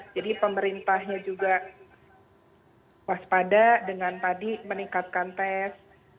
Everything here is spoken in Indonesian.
jadi pemerintahnya juga waspada dengan tadi meningkatkan tes